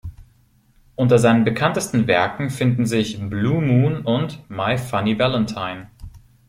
Unter seinen bekanntesten Werken finden sich "Blue Moon" und "My Funny Valentine".